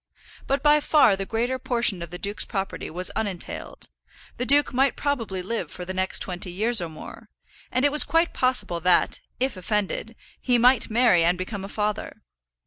But by far the greater portion of the duke's property was unentailed; the duke might probably live for the next twenty years or more; and it was quite possible that, if offended, he might marry and become a father.